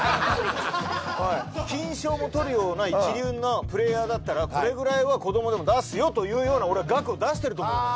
金賞も取るような一流のプレーヤーだったらこれぐらいは子供でも出すという額を出してると思う。